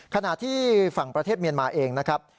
ขณะที่ฝั่งประเทศเมียนมาเองนะครับ